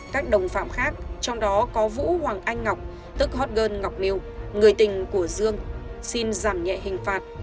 các đồng phạm khác trong đó có vũ hoàng anh ngọc tức hot girl ngọc miêu người tình của dương xin giảm nhẹ hình phạt